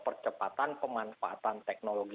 percepatan pemanfaatan teknologi